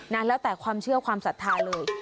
นั้นแล้วแต่ความเชื่อความศรัทธาเลย